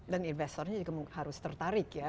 dan investornya juga harus tertarik ya